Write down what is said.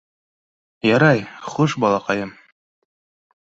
Ярай, хуш, балаҡайым.